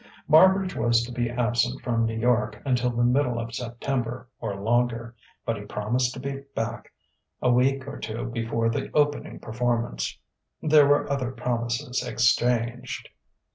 Marbridge was to be absent from New York until the middle of September or longer; but he promised to be back a week or two before the opening performance. There were other promises exchanged....